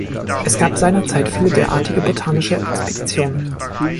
Es gab seinerzeit viele derartige botanische Expeditionen.